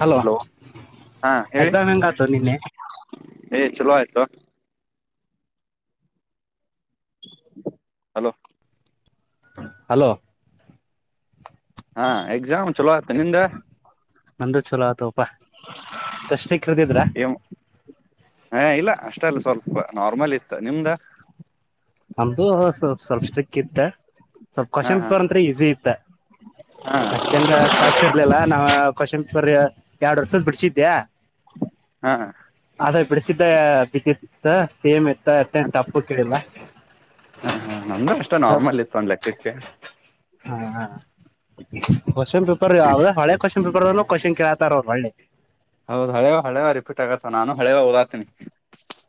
Hello ಹಾ ಹೇಳಿ exam ಹೆಂಗತ ನಿನ್ನೆ [unintelligible] ಏ ಚಲೋ ಆಯ್ತು [unintelligible] ಹಲೋ [unintelligible] ಹಲೋ [unintelligible] ಹಾ ಎಕ್ಸಾಮ್ ಚಲೋ ಆತ ನಿಂದ [unintelligible] ನಂದ ಚಲೋ ಆತ [inaudible] ಪ್ಪಾ ತಷ್ಟ ಕಳದಿದ್ರ ಏ [unintelligible] ಹಾ ಇಲ್ಲ ಅಷ್ಟ ಅಲ್ಲ ಸ್ವಲ್ಪ ನಾರ್ಮಲ್ ಇತ್ತು ನಿಮ್ದ [unintelligible] ನಮ್ದು ಸ್ ಸ್ವಲ್ಪ ಸ್ಟ್ರಿಕ್ ಇತ್ತ ಸ್ವಲ್ಪ್ ಹಾ ಹಾ ಕ್ವಶಂಪಿಪರ್ ಅಂದ್ರೆ ಈಸಿ ಇತ್ತ ಹಾ ಅಷ್ಟಂದ ಟಫ್ ಇರ್ಲಿಲ್ಲ ನಾ್ ಕ್ವಶಂಪ ಬರ್ ಎರಡ್ ವರ್ಷದ ಬಿಡ್ಸಿದ್ದೆ [unintelligible] ಹಾ [unintelligible] ಬಿಡಿಸಿದ್ದ ವಿದಿತ್ ಸೇಮ್ ಇ [unintelligible] ತ್ತ ತಪ್ಪು ಕಡಿಿಲ್ಲ [unintelligible] ಹಾ ಹಾ ನಮ್ದು ಅಷ್ಟ ನಾರ್ಮಲ್ ಇತ್ತು ಒಂದ್ ಲೆಕ್ಕಕ್ಕೆ [inaudible] ಕ್ವ್ನ್ ಪೇಪರ್ ಯಾವದ ಹಳ ಕ್ವ್ನ್ ಪೇರ್ ಅಲ್ಲ [unintelligible] ಆಕೋಶನ್ ಕೇೇಳಾತಾರ ಅವ್ರು ಒಳ್ಳೆ [inaudible] ಹೌದು ಹಳೆವ ಹಳೆವ ರಿಫೀಟ್ ಆಗತ್ತ ನಾನು ಹಳೆವ ಓದಾತೀನಿ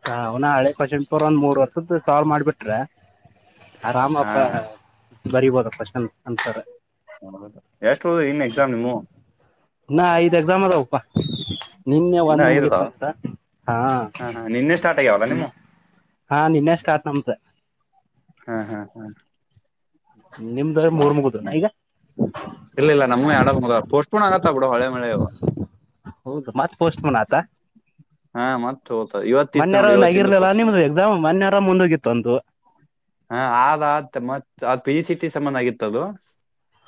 ಹ ಅವನ ಹಳೆ ಕಸೆಂಟ್ಪುರ್ ಒಂದ್ ಮೂರ್ ವರ್ಷದ್ದ ಸಾಳ್ ಮಾಡ್ಬಿಟ್ರೆ ಹಾ ರಾಮಪ್ಪ [unintelligible] ಬರಿಬೋದ ಕ್ವಶನ್ ಅನ್ಸರ್ [unintelligible] ಹೌ ಎಷ್ಟ ಹೋ ಇನ್ ಎಕ್ಸಾಮ್ ನಿಮ್ಮ [inaudible] ಹ್ಮ [inaudible] ನಿನ್ನೆ ಒಂದ ಮುಗತ್ ನಮ್ದು ಹಾ ಹಾ ನಿನ್ನೆ ಸ್ಟಾರ್ಟ್ ಆಗ್ಯಾವಲ್ಲ ಹ್ಮ ನಿಮ್ಮು ಹಾ ನಿನ್ನೆ ಸ್ಟಾರ್ಟ್. ನಮ್ದ ಹ್ಮ್ ಹಾ ಹ್ಮ್ ನಿಮ್ದ ಮೂರ್ ಮುಗುದು ಈಗ ಇಲ್ಲ ಇಲ್ಲ ನಮ್ಮ ಎರಡ ಮುಗ್ಧವ. ಓಪನ್ ಆಗತಾವ ಬಿಡ ಇವ ಹೊಳ್ಳಿಮಳ್ಳಿ ಇವ. ಹೌದು ಮತ್ ಪೋಸ್ಟ್ ಪೋನ್ ಆತ ಹಾ ಮತ್ ಹೋತ ಇವತ್ತಿತ್ತು ಮೊನ್ನೆ ಆರ ನೋಡಿ ಒಂದ ಇವತ್ತಿಂದ ಆಗಿರ್ಲಲ್ಲ ಪೋಸ್ಟ್ಪೋನ್ ನಿಮ್ದ ಎಕ್ಸಾಮ್ ಮೊನ್ನೆ ಆತ ಅದ ಮುಂದೋಗಿತ್ತು ಒಂದು ಹಾ ಆದ ಮತ್ ಆ ಪಿ ಜಿ ಸಿಟಿ ಸಮಂದ ಆಗಿತ್ತದು.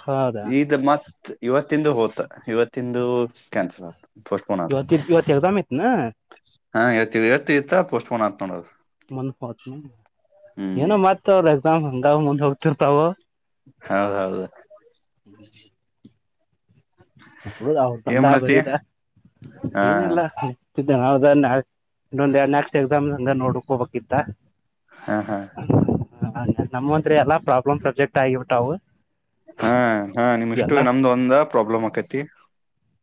ಹೌದಾ ಈದ ಮತ ಇವತ್ತಿಂದ ಹೋತ ಇವತ್ತಿಂದು ಕ್ಯಾನ್ಸಲ್ ಆತ. ಪೋಸ್ಟ್ಪೋನ್ ಆತ ಇವತ್ತ ಇತ್ತ ಇವತ್ತ ಎಕ್ಸಾಮ್ ಇತ್ತ ಏನ. ಹಾ ಇತ್ತ ಇವತ್ತ ಇತ್ತ ಪೋಸ್ಟ ಪೊನ್ ಆತ್ ನೋಡ ಅದ. ಒನ್ಫೋತ್ ಮ [inaudible] ಏನೋ ಮತ್ತ ಅವ್ರ. ನಾವ ಹಂಗ ಮುಂದ್ ಹೋಗ್ತಿರ್ತಾವ. ಹೌದೌದು ಹ್ಮ್ ಹೌದ ಅವ್ರ ಏನ್ ತಂದ ಮಾಡತಿ ಬರೀದ ಹಾ ಏನಲ್ಲತಿದ್ದೇ. [unintelligible] ಇನ್ನೊಂದ ಎರಡ್ ಲಕ್ಸ್ ಎಕ್ಸಾಮ್. ಹಂಗ ನೋಡ್ಕೋಬೇಕತ್ತ. ಹಾ ಹಾ ಹ ನಮ್ಮಂದ್ರ ಎಲ್ಲ ಪ್ರಾಬ್ಲಮ್ ಸಬ್ಜೆಕ್ಟ್ ಆಗಿಬಿಟ್ಟಾವು. ಹಾ ಹಾ ನಿಮ್ ಇಷ್ಟು ಎಲ್ಲಾ ನಮ್ದು ಒಂದ ಪ್ರಾಬ್ಲಮ್ ಆಕೈತಿ.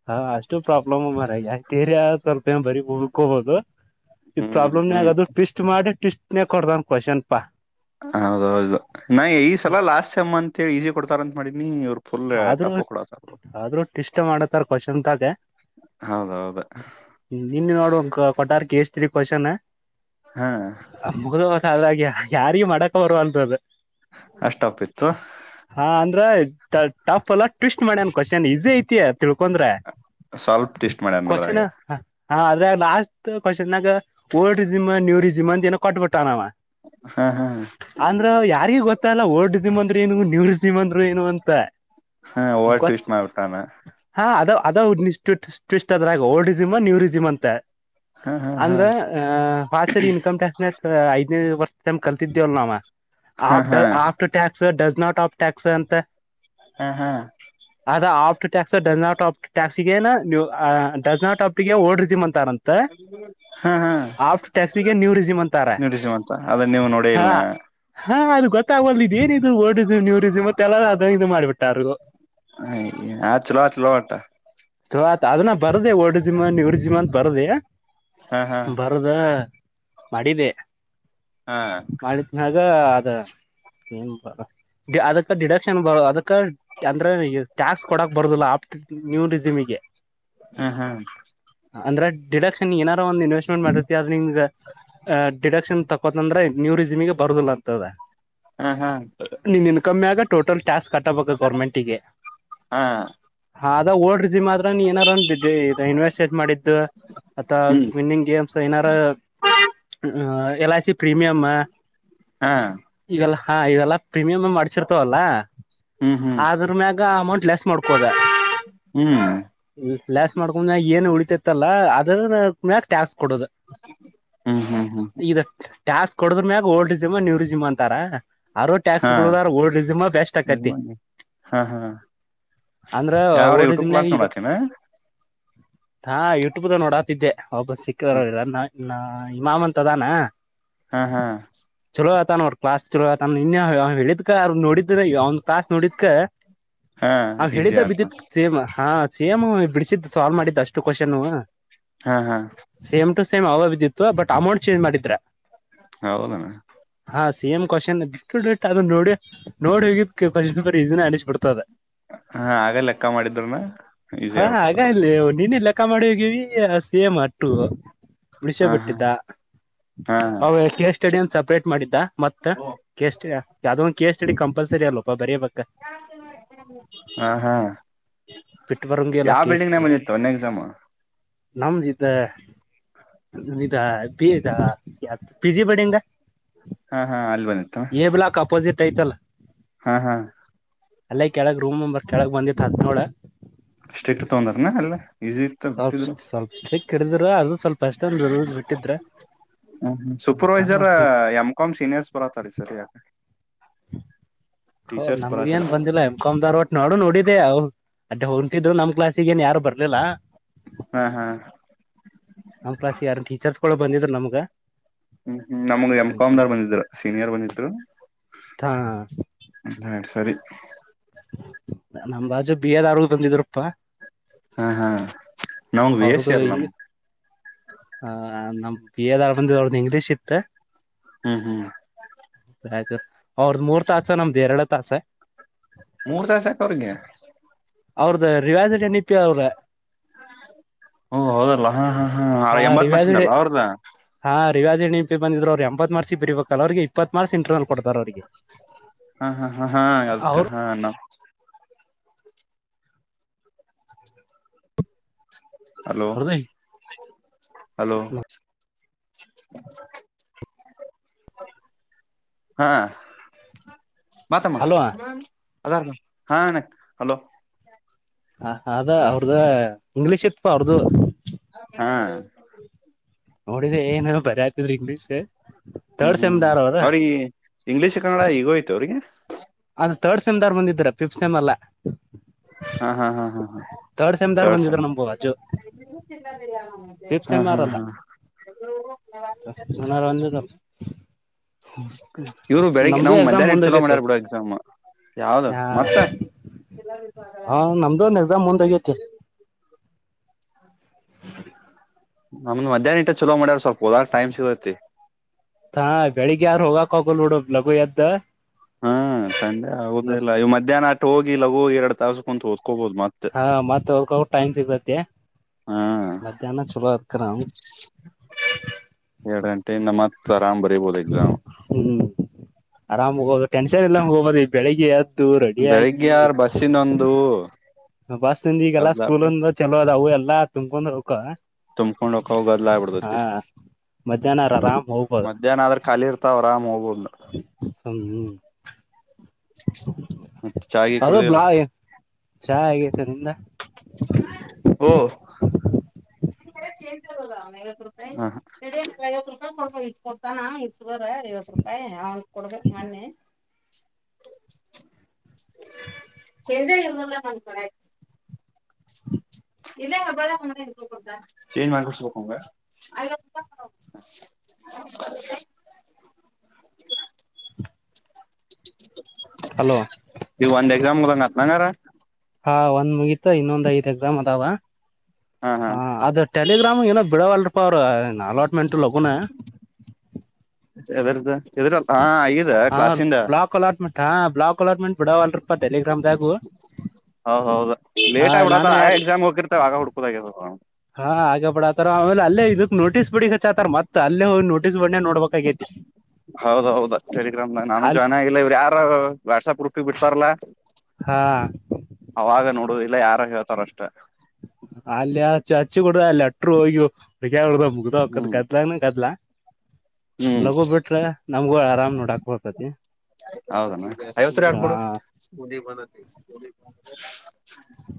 ಹಾ ಅಷ್ಟು ಪ್ರಾಬ್ಲಮ್ ಮಾರಾಯ [inaudible] ಸ್ವಲ್ಪ ಏನ ಬರೀ ಉಳ್ಕಬಹುದು ಈ ಹ್ಮ್ ಹ್ಮ್ ಪ್ರಾಬ್ಲಮ್ನಗದು ಟ್ವಿಸ್ಟ್ ಮಾಡಿ ಟ್ವಿಸ್ಟ್ ಇನ ಕೊಡ್ದನ್ ಕ್ವೆಷನ್ ಪಾ. ಹೌದೌದು ನಾ ಈ ಸಲ ಲಾಸ್ಟ್ ಸೇಮ್ ಅಂತ ಈಸಿ ಕೊಡ್ತಾರ ಅಂತ ಮಾಡಿನಿ ಇವ್ರ ಆದ್ರೂ ಆದ್ರೂ ಟ್ವಿಸ್ಟ್ ಮಾಡತ್ತಾರ ಕ್ವಶಂತಾಗೆ ಹೌದೌದು ನಿನ್ನ ನೋಡುವ ಕೊಠಾರಕ್ಕೆ ಎಷ್ಟ. ಥ್ರೀ ಕ್ವೆಶ್ಚನ್ ಹಾ ಅಮ್ಮಕದ [inaudible] ಅಾಗಿ ಯಾರಿಗ ಮಾಡಕ ಬರುವಂತದ್ದ ಅಷ್ಟ ಒಪ್ಪಿತ್ತು ಟಪ್ ಎಲ್ಲ ಟ್ವಿಸ್ಟ್ ಮಾಡ್ಯನ್ ಕ್ವಶ್ನ್ ಈಸಿ ಐತಿ ತಿಳ್ಕೊಂಡ್ರೆ ಸ್ವಲ್ಪ ಟ್ವಿಸ್ಟ್ ಮಾಡ್ಯಾನ ಕೋಸ್ಟಿನ್ ಅದ್ರಾಗ ಹ ಆದ್ರೆ ಲಾಸ್ಟ್ ಪನಾಗ ಓಲ್ಡ್ ರರಿಿಮ್ ನೀವ ರಿಜಿಮ್ ಅಂತ ಏನೋ ಕೊಟ್ಬಿಟ್ಟ ನಾವ ಹಾ ಹಾ ಯಾರಿಗೆ ಗೊತ್ತಲ್ಲ ಓಲ್ ಮಂದ ಏ ನೀವ ಸಿ [unintelligible] ಏನುಂತ [unintelligible] ಪ್ರ [unintelligible] ಹಾ ಓವರ್ ಟ್ವಿಸ್ ಮಾಡಿಬಿಟ್ಯಾನ ಅದ [inaudible] ಅದ್ರಾಗ ಟ್ವೆಸ್ಟ್ ಒಡೆದೆಮ್ ನೀರುಡೆಮ್ ಅಂತ ಹಾ ಹಾ ಅಂದ್ರ ಹಾ ಪಾಸರಿ ಇನ್ಕಮ್ ಟ್ಯಾಕ್ಸ್ ನಾ ಅಷ್ಟು ಐ ವರ್ಷ ತಮ್ ಕಲ್ತಿದ್ದೇವಲ್ ನಾವ ಹಾ ಹಾ after success not of tax ಅಂತ ಹಾ ಹಾ ಟು ಟಸ್ ಡಸ್ ನಾಟ್ [unintelligible] ಟಾಸ್ಕ್ ಸಿಗ ನಾ [unintelligible] ಹಾ does not a talk word resume [unintelligible] ಹಾ ಹಾ ಆಫ್ಟರ್ ಟ್ಯಾಕ್ಸಿಗೆ [unintelligible] ನ್ಯೂ ರಿಸಿಮ್ ಅಂತಾರ ನಿಡಿಸಿ ಮಾಂತ ಅದ ನೀವು ನೋಡಿ ಹಾ ಇಲ್ನ ಹಾ ಅದು ಗೊತ್ತಾಗಲ್ಲದ ಇದ ಏನಿದ ರ್ಡಿಸಮ್ ನೀವರಿಸಮ್ ಮತ್ತೆಲ್ಲ ಆ ಚಲ ಆ ಚಲೋ ಆಟ ಥೋ ಐತಾ ಅದನ್ನ ಬರ್ದೆ ಒಡ್ ಜಿಮಾನ್ ಇವ್ರ ಜಿಮಾನ್ ಬರ್ದೆ ಹಾ ಹಾ ಬರದ್ಯಾ ಮಾಡಿದೆ ಹಾ ಯೇ ಅದ ಏ ಬ ಅದಕ್ಕೆ ಡಿಡಕ್ಷನ್ ಬರ ಅದಕ್ ಕರೆಕ್ಟ್ ಅಂದ್ರೆ ಟ್ಯಾಕ್ಸ್ ಕೊಡಕ್ ಬರದಿಲ್ಲ [unintelligible] [unintelligible] ಜಿಮಿಗೆ ಹಾ ಹಾ ಅಂದ್ರೆ ಡಿಡಕ್ಷನ್ ಏನ ನಾವು ಒಂದು ಇನ್ವೆಸ್ಟ್ಮೆಂಟ್ ಮಾಡಿರ್ತೀಯ ಅದ ನಿಂಗ ಡಿಟೇಕ್ಷನ್ ತೆಗೊ ಹತಂದ್ರೆ ನೀೂ ರರಿಸಮಿಗೆ ಬರದಿಲ್ಲ ಅಂತದ ಹಾ ಹಾ [unintelligible] ನೀನ್ನ ಕಮ್ಮ ಆಸ್ ಟೋಟಲ್ ಟಕ್ಸ ಕಟ್ ಆಗ್ಬೇಕು ಗೌರ್ಮೆಂಟಿಗೆ ಹಾ ಅ [unintelligible] [inaudible] ನೀ ಏನಾರ ಒ ಇನ್ವೆಸ್ಟ್ಟ ಮಾಡಿದ್ದು ಅಥವಾ ಹ್ಮ್ ವಿನ್ನಿಂಗ್ ಗೇಮ್ಸ್ ಏನಾರ ಹ ಎಲ್ ಆಐ ಸಿ ಪ್ರೀಮಿಯಮ್ಮ ಹಾ ಈಗಲ್ಲ ಹಾ ಇದೆಲ್ಲ ಪ್ರೀಮಿಯಂ ಮಾಡ್ಸಿರ್ತವಲ್ಲ ಹ್ಮ್ ಹ್ಮ್ ಆದ್ರ ಮ್ಯಾಗ ಅಮೌಂಟ್ ಲೆಸ್ ಮಾಡ್ಕೋದ ಹ್ಮ್ ಲಲ್ಯಾಸ್ ಮಾಡ್ಕೊಂಡ ಏನ್ ಉಳಿತತ್ತಲ್ಲ ಅದ್ರ ಮ ಟಾಸ್ಕ ಕೊಡುದು ಹ್ಮ್ ಹ್ಮ್ ಹ್ಮ್ ಇದು ಟಾಸ್ಕ ಕೊಡದ್ರ ಮ್ಯಾಗ ಓಲ್ಡ್ ಜಿಮಾ ನೀವರು ಜಿಮಾ ಅಂತಾರ ಯರು ಹಾ ಟ್ಯಾಕ್ಸ್ಗಳುದ ಓಲ್ಡಿಸಮ್ ಬೆಸ್ಟ್ ಆಕತಿ ಹಾ ಹಾ ಅಂದ್ರೆ ಯಾವ್ರ ಓಲ್ಡಿಸ್ ಯೂಟ್ಯೂಬ್ ಕ್ಲಾಸ್ ನೋಡ್ತೇನಾ ಹಾ ಯೂಟ್ಯೂಬ ನೋಡಾತಿದ್ದೆ ಒಬ್ಬ ಸಿಕ್ಕರೋ ಇಿಲ್ಲಾ ನಾ ಹಿಮಾಮಂತದನ ಹಾ ಹಾ ತ ಅವ್ರ ಕ್ಲಾಸ್ ಶುರು ಆಯ್ತಾನಾ ನಿನ್ನೆ ಹೇಳಿದ್ ನೋಡಿ [unintelligible] ಈ ಅವನ್ ತಾಸ್ ನೋಡಿದ್ಕ ಹಾ ಅವ್ ಈಸಿ ಹೇಳಿದ ಆತ್ಮ ಬಿದ್ದಿತ್ ಹಾ ಸಿಎಮ ಬಿಡಿಸಿದ್ ಸಾಲ್ವ್ ಮಾಡಿದ್ದ್ ಅಷ್ಟು ಕ್ವಶನ್ ಹಾ ಹಾ ಸೇಮ್ ಟು ಸೇಮ್ ಅವ ಬಿದ್ದಿತ್ತು ಬಟ್ ಅಮೌಂಟ್ ಚೇಂಜ್ ಮಾಡಿದ್ರೆ ಹೌದಣ ಹಾ ಸೇಮ ಕ್ವೆಷನ್ ಡೆಟ್ ಒ ಡೆಟ್ ಅದು ನೋಡಿ ನೋಡಿ ಹೋಗಿದರ್ ಇದಿನ ಅಡಿಸಿಸಿಬ ಬಿಡ್ತದ ಹಾ ಹಾಗಗ ಲೆಕ್ಕ ಮಾಡಿದ ಅ ಈಸಿ ಆಗ್ಬಿಟ್ಟದ ಅದು ಚಕ್ಕ ಮಾಡಿ ಹೋಗಿವವಿ ಸೇಮ್ ಅಟ್ಟು ಮುಳಿಸಿ ಹಾ ಹಾ ಬಿಟ್ಟಿದ್ದ ಹಾ ಅವ ಕೇಸ್ ಸ್ಟೆಡಿ ಅ ಸಪ್ರೇಟ್ ಮಾಡಿದ್ದ ಮತ್ತ ಕೆಸ್ ಯಾವದೊ ಒಂದು ಕೆಸ್ ಸ್ಟೆಡಿ ಕಂಪ್ ಅಧ್ಸರಿ ಅಲ್ಲಪ್ಪ ಬರ ಬ ಹಾ ಹಾ ಬಿಟ್ಟು ಬರಂಗೆ ಇಲ್ಲ ಯಾವ ಕೇಸ್ ಬಿಲ್ಡಿಂಗ್ ನ ಮಂದ ಇತ್ತು ಎಕ್ಸಾಮು ನಮ್ದ ಇದ ಇದ ಇದ ಪಿ ಜಿ ಬಡಿಂದ ಹಾ ಹಾ ಅಲ್ಲಿ ಬಂದಿತ್ತು ತೈತಲ ಹಾ ಹಾ ಅಲ್ಲೇ ಕೆಳಗ್ ರೂಮ್ಂಬರ್ ಕೆಳಗ್ ಬಂದಿ ತಂತೋಳ ಸ್ಟ್ರಿಕ್ಟ್ ತೊಂದ್ರನ ಅಲ್ಲ ಈಸಿ ಇತ್ತ ಸ್ವಲ್ಪ ಬಿಟ್ಟಿದ್ರು ಸ್ವಲ್ಪ ಸ್ಟ್ರಿಕ್ಟ್ ಹಿಡಿದರೂ ಅದು ಸ್ವಲ್ಪ ಅಷ್ಟೊಂದು ಲೂಸ್ ಬಿಟ್ಟಿದ್ರೆ ಹ್ಮ್ ಹ್ಮ್ ಸೂಪರ್ವೈಸರ್ ಎಮ್ ಕಾಮ್ ಸೀನಿಯರ್ಸ್ ಬರತ್ತಾರೀ ಸರ್ ಯಾಕ ಹೌ ಟೀಚರ್ಸ್ ನಮ್ಗೆ ಬರತ್ತಲ್ಲ ಏನ್ ಬಂದಿಲ್ಲ ಎಮ್ ಕಾಮ್ ಒಟ್ ನಡು ನೋಡಿ ಅ ಅದೇ ಹೊಂಟಿದು ನಮ್ ಕ್ಲಾಾಸಗ ಏನ್ ಯಾರು ಬರ್ಲಿಲ್ಲ ಹಾ ಹಾ ನಮ್ಮ ಕ್ಲಸ್ ಯಾರು ಟೀಚರ್ಸ್ ಕಕ್ಕಳ ಬಂದಿದ್ರ ನಮ್ಗ ಹ್ಮ್್ಮ ನಮಗ ಎಮ್ ಕಾಮ ದಾರ್ ಬಂದಿದ್ರ ಸೀನಿಯರ್ ಬಂದಿದರು ಹಾ ಹಾ ನಡ್ಸರಿ ನಮ್ ಬಾಜು ಬಿಎ ದಾರು ಬಂದಿದ್ರಪ್ಪಾ ಹಾ ಹಾ. ನಮಗ್ ವೇಷ ಇರಲಮ್ಮ್. ಹ ನಮ ಪೇಲ್ ಆಗಿ ಬಂದಿದ್ ಅವರದ ಇಂಗ್ಲೀಷ್ ಇತ್ತ. ಹ್ಮ್ ಹ್ಮ್ ಆಯ್ತು ಅವ್ರದ ಮೂರ್ ತಾಸ ನಮ್ದು ಎರಡು ತಾಸ. ಮೂರ್ ತಾಸ ಯಾಕ ಅವ್ರಿಗೆ. ಅವ್ರ್ದ ರಿವಾಜಟ್ ಎನಿ ಪಿ ಅವ್ರ. ಓ ಹೌದಲ್ಲ ಹಾ ಹಾ ಹಾ ಎಂಬತ್ ಮಷಿಂದಲ್ಲ ಅವ್ರದ್ದ. ವಾಜ ಬಂದ್ರು ಅವರು ಎಂಬತ್ ಮಾಡಸಿ ಬರ್ಬೇಕಲ್ಲ ಅವರಿಗೆ ಇಪ್ಪತ್ ಮಾರ್ಸ್ ಇಂಟರ್ನಲ್. ಕೊಡ್ತಾರ ಅವ್ರಿಗೆ ಹಾ ಹಾ ಹ ಹಾ ಅದಕ ಅವ್ರ ಹಾ ನ. ಹಲೋ ಅವ್ರದ ಹಲೋ. ಹಾಂ. ಬಾ ತಮ್ಮ. ಹಲೋ ಅದಾನ ಬಾ ಹಾ ಅಣ್ಣಾ ಹಲೋ. ಹ ಅದ ಅವ್ರದ್ದ. ಇಂಗ್ಲೀಷ್ ಇತ್ತಪ್ಪ ಅವ್ರದು. ಹಾ. ನೋಡಿದ್ರ ಏನೇನೋ ಬರ್ಯತಿದ್ರ ಇಂಗ್ಲೀಷ್. ಹ್ಮ್ ತರ್ಡ್ ಹ್ಮ್ ಸೆಮ್ದಾರ್ ಅವ್ರ ಅವ್ರೀ ಇಂಗ್ಲೀಷ್ ಕನ್ನಡ ಈಗ್ಲೂ ಐತಿ ಅವ್ರಿಗೆ. ಅದ ತರ್ಡ್ ಸೆಮ್ ದಾರ್ ಬಂದಿದ್ದೀರಾ ಫಿಫತ್ ಸೆಮ್ ಅಲ್ಲಾ. ಹಾ ಹಾ ಹಾ ಹಾ ಹಾ ಥರ್ಡ್ ಸೆಮ್ಟಾರ್ ತರ್ಡ್ ಬಂದಿದರು ಸೆಮ್ ನಮ ಬಾಜು ಫಿಫತ್ ಹಾ ಸೆಮಾರ್ ಹಾ ಹಾ ಅಲ್ಲನಂದಿದ. ಇವ್ರು ಬೆಳಿಗ್ಗೆ ನಮ್ದು ನಮ್ಗ್ ಎಕ್ಸಾಮ್ ಮಧ್ಯಾಹ್ನ ಇಟ್ ಮುಂದ ಚಲೋ ಹೋಗಿದ್ದು. ಮಾಡ್ಯಾರ ಬಿಡ ಎಕ್ಸಾಮ್ ಯಾವ್ದ ಮತ್ತೆ. ಹ ನಮ್ದು ಒಂದ್ ಎಕ್ಸಾಮ್ ಮುಂದೋಗೈತಿ ನಮ್ದ್ ಮಧ್ಯಾಹ್ನ ಇಟ್ಟ ಚಲೋ ಮಾಡ್ಯವ ಸ್ವಲ್ಪ ಹೋದಾಗ ಟೈಮ್ ಸಿಗ್ತೈತಿ. ಹಾ ಬೆಳಿಗ್ಗೆ ಯಾರು ಹೋಗಾಕೂ ಆಗುಲ್ಲ ಬಿಡ ಲಘು ಎದ್ದ. ಹಾ ತಂಡ್ಯಗಾಗುದು ಇಲ್ಲ ಇವ ಮಧ್ಯಾಹ್ನ ಅಟ್ಟ ಹೋಗಿ ಇಲ್ಲ ಹೋಗಿ ಎರಡ್ ತಾಸ ಕುಂತ ಓದ ಹಕೋಬೋದು ಮತ್ತೆ ಹಾ ಮತ್ ಹೋಗಕ ಟೈಮ್ ಸಿಗ್ತತಿ ಹ ಮಧ್ಯಾಹ್ನ ಚಲೋ ಅತ್ಕರ ಎರಡ್ ಗಂಟೆಯಿಂದ ಮತ್ತ ಆರಾಮ್ ಬರಿಬೋಧ ಎಕ್ಸಾಮ್. ಹ್ಮ್ [unintelligible] ಟೆನ್ಷನ್ ಇಲ್ಲಾಂಗ ಹೋಗದ ಇದ ಬೆಳಿಗ್ಗೆ ಎದ್ದು ರೆಡಿ ಬೆಳಿಗ್ಗೆ ಆಗಿ. ಯಾರ ಬಸ್ಸಿನೊಂದು ಬಸ್ಂದ ಈಗಲ್ಲ ಗದ್ಲ ಸ್ಕೂಲ್ ಅಂದ ಚಲೋ ಅದ ಅವು ಎಲ್ಲ. ಎಲ್ಲ ತುಂಬಕೊಂಡ್ ಹೊಕ್ಕವ. ತುಂಬಕೊಂಡ ಹೊಕ್ಕವ್ ಗದ್ಲಾಗಿ ಬಿಡುತೈತಿ ಮಧ್ಯಾಹ್ನ ಆರಾಮ್ ಹೋಗ್ಬೋದು ಮಧ್ಯಾಹ್ನ ಆದ್ರ ಖಾಲಿ ಇರ್ತಾವ್ರಾ ಆರಾಮ್ ಹೋಗಬೋದ. ಹ್ಮ್ ಮತ್ತೆ ಚಾ ಗಿ ಅದು ಕುಡ್ದಿಲ್ಲ. ಬ್ಲಾ ಚಾ ಆಗೇತ ನಿಂದ. ಕೇ ಐವತ್ ರೂಪಾಯಿ ಐವತ್ ರೂಪಾಯಿ ಕೊಡ್ಬೇಕ ಇ ಕೊಡ್ತಾನ ಇ ಸರ್ ಐವತ್ತು ರೂಪಾಯಿ ಅವನ್ ಕೊಡ್ಬೇಕಕ್ ಮೊನ್ನೆ ಎಲ್ಲ ನ ಇದ ಬಳ ನ್ ಮಾಡಕ ಸಕಂಗ ಅಲ್ವ [inaudible] ಇವು ಒಂದೇ ಇರ ಮುಲ ನಾತನಾಂಗಾರ ಹಾ ಒಂದ್ ಮುಗೀತು ಇನ್ನೊಂದ್ ಐದ್ ಎಕ್ಸಾಮ್ ಅದಾವ ಹಾ ಹಾ ಹ ಅದ ಟೆಲಿಗ್ರಾಮ್ ಏನೋ ಬಿಡವಲ್ರಪ್ಪ ಅವ್ರ ನಲವತ್ತು ಡಃಳಝಮೀಟರ್ ಒಬ್ಬನೇ ಎದುರಲ್ಲ ಹಾ ಈಗದ ಕ್ಲಾಸಿಂದ ಅಲಾಟ್ಮೆಂಟ್ ಹಾ ಬ್ಲಾಕ್ಲಾಟ್ಮೆಂಟ್ ಬಿಡಾವಲ್ರಿ ಹೌದ ಹೌದು ಹಾ ಲೇಟ್ ಆಗ್ಬಡತ ನಾನು ಆಗ ಯಾಕ ಎಕ್ಸಾಮ್ ಹೋಗಿರ್ತವೆ ಆಗ ಹುಡ್ಕುದಾಗ ಹಾ ಆ ಬಿಡಾತಾರ ಆಮೇಲೆ ಅಲ್ಲ ಇದಕ್ ನೋಟಿಸ್ ಬೊಡಿಗಿ ಹಚ್ಚಕತ್ತಾರ ಮತ್ ತಲ್ಲೆ ನೋಟಿಸ್ ಬೋರ್ಡ್ನ್ಯಾಗ ನೋಡ್ಬೇಕಾಗೈತಿ ಹೌದ ಹೌದ ಟೆಲಿಗ್ರಾಮ್ನಾಗ ನಾನು ಅಲ್ ಜಾಯನ್ ಆಗಿಲ್ಲ ಇವ್ರು ಯಾರ ವಾಟ್ಸಪ್ ಪ್ರೂಫಿಗೆ ಬಿಡ್ತಾರಲ್ಲ ಹಾ ಅವಾಗ ನೋಡ ಇಲ್ಲ ಯಾರ ಹೇಳ್ತಾರಷ್ಟ [inaudible] ಅಲ್ಲೇ ಆ ಚು ಹಚ್ಚು ಕೊಡ ಅಲ್ಲ ಅಟ್ಟರು ಹೋಗ್ಯು ಬ ಮುಗ ಒದ ಹ್ಮ್ ಕದಲ ಕದಲಾ ಹ್ಮ್ ಲಗೋ ಬಿಟ್ರೆ ನಮ್ಗೂ ಆರಾಮ್ ನೋಡಾಕ್ ಬರ್ತತಿ [inaudible] ಹೌದಲ್ಲ ಐವತ್ತರ ಎಡ್ ಹಾ ಕೊಡು [inaudible]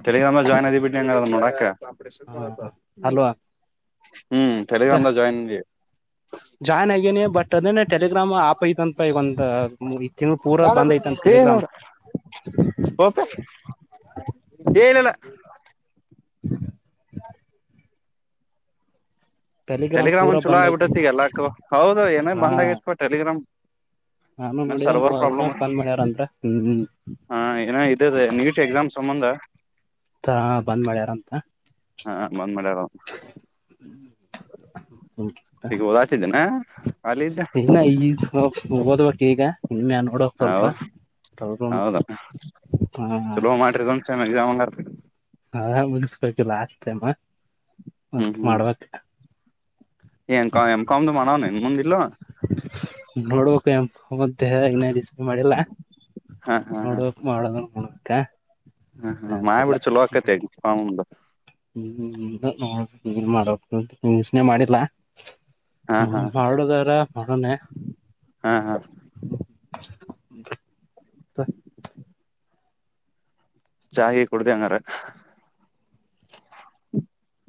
ತೆಲಗ್ರಾಮ ಜಾಯಿನ್ ಆಐ ಬಿಟ್ಟಿ ನೋಡಾಕ ಹ ಅಲ್ವಾ ಹ್ಮ ಟೆಲಿಗ್ರಾಮ್ ದಾಗ್ ಜಾಯಿನ್ ಆದಿ ಅದೇ ಟೆಲಿಗ್ರಾಮ್ ಆಪ್ ಐತಂತಪ ಒಂದ ಈ ತಿಂಗಳು ಪೂರಾ ಬಂದ್ ಐತನ್ ಏ ಟೆಲಿಗ್ರಾಮ್ [inaudible] ಓಪೆ ಏ ಇಲ್ಲಿಲ್ಲ [inaudible] ಟೆಲಿಗ್ರಾಮ್ ಪೂರಾ ಒನ್ ಚಲ ಬಂದ್ ಐತಂತ ಆಗ್ಬಿಟ್ಟತಿಗ ಎಲ್ಲಾಕ್ಕ ಹೌದು ಏನೇ ಹಾ ಬಂದ್ಗತ್ತು ಟಲಿಗ್ರಾಮ್ ನಾನು ಇ ನೋಡಿದೆ ಸರ್ವರ್ ಮೂವರ್ ಪ್ರಾಬ್ಲ್ ದಿನ ಬಂದ್ ಮಾಡ್ಯಾರಂದ್ರ ಹ್ಮ್ ಹ ಏ ಇದೆ ನೀಟ್ ಎಕ್ಸಾಮ್ ಸಂಬಂಧ ಬಂದ್ ಮಾಡ್ಯಾರ ಅಂತ ಹಾ ಬಂದ್ ಹಗ ಹೋದಾತಿದ್ದೇನಾ ಅಲ್ಲಿದ ಮುಖದ ಟೀಗ ನಿ ಮನ್ ಉಡೋಕ ಹೌ ಸರಪ್ಪ ಟೋಗೊಮ್ಮ ಹೌದ ಹಾಂ ಜಾಮತ ಹ ಮುನ್ಸ್ಬೇಕು ಅಸ್ಟ ಟೈಮ ಮ ಹ್ಮ್ ಹ್ಮ್ ಮಾಡ್ಬೇಕಕ್ ಏನ್ ಎಂ ಕಾಮ್ದು ಮಾಡವ್ನ ಇನ್ ಮುಂದ್ ಇಲ್ಲೋ ನೋಡ್ಬೇಕು ಮತ್ತೆ ಇನ್ನಿಸ ಮಾಡಿಲ್ಲ ಹಾ ನೋಡ್ಬೇಕ ಮಾಡ ನೋ ಕ ಹ್ಮ ಹ ಮಾಯಿ ಬಿಡ್ಚು ಲೋಕತ್ತ ಹ್ಮ ಮಾಡ ನಿನೆ ಮಾಡಿಲ್ಲಾ ಹಾ ನೋಡ ಹಾ ಮಾಡುದಾರ ಮಾಡಣೇ ಹಾ ಹಾ [inaudible] ಚಾ ಗಿ ಕುಡ್ದು [inaudible] ಹ್ಮ [inaudible]